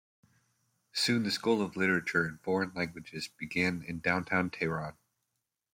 Soon the School of Literature and Foreign Languages began in downtown Tehran.